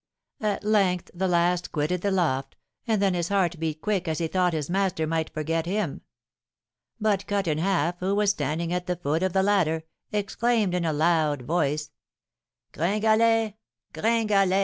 At length the last quitted the loft, and then his heart beat quick as he thought his master might forget him. But Cut in Half, who was standing at the foot of the ladder, exclaimed in a loud voice, 'Gringalet! Gringalet!'